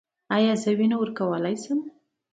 ایا زه وینه ورکولی شم؟